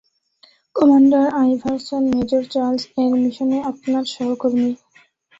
Commander Iverson, major Childs, এরা মিশনে আপনার সহকর্মী।